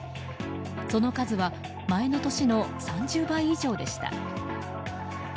その数は、前の年の３０倍以上でした。